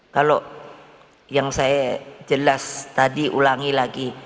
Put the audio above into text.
kalau yang saya jelas tadi ulangi lagi